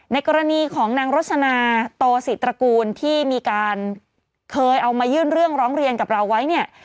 ในกรณีของนางรสนาโตศิตระกูลที่มีการเคยเอามายื่นเรื่องร้องเรียนกับเราไว้เนี่ย